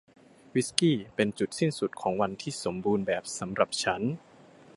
วิสกี้เป็นจุดสิ้นสุดของวันที่สมบูรณ์แบบสำหรับฉัน